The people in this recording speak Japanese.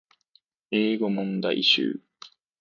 英語問題集